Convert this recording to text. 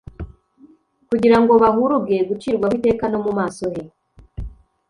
kugira ngo bahuruge gucirwaho iteka no mu maso he.